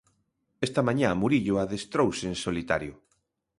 Esta mañá Murillo adestrouse en solitario.